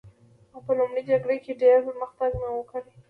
ما په لومړۍ جګړه کې ډېر پرمختګ نه و کړی